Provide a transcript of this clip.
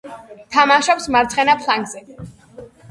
თამაშობს მარცხენა ფლანგზე.